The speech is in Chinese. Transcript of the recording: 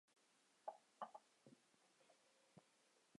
上层和下层华裔的社会地位区别很大。